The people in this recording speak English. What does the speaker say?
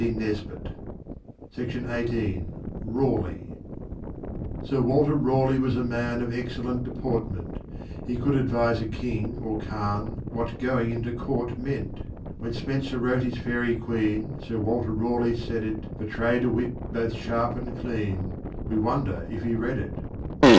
RALEIGH Sir Walter Raleigh was a man Of excellent deportment; He could advise a King or Khan What going into court meant; When Spenser wrote his Faerie Queene Sir Walter Raleigh said it Betrayed a wit both sharp and clean (We wonder if he read it).